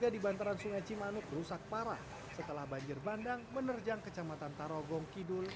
tiga di bantaran sungai cimanuk rusak parah setelah banjir bandang menerjang kecamatan tarogong kidul